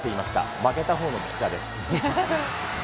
負けたほうのピッチャーです。